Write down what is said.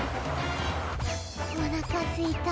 おなかすいた。